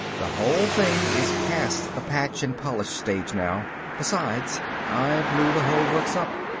"The whole thing is past the patch and polish stage now. Besides I blew the whole works up.